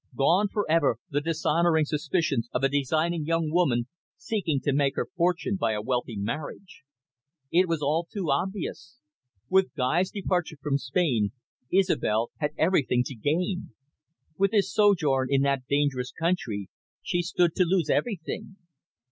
Gone for ever the dishonouring suspicions of a designing young woman seeking to make her fortune by a wealthy marriage. It was all too obvious. With Guy's departure from Spain, Isobel had everything to gain. With his sojourn in that dangerous country she stood to lose everything.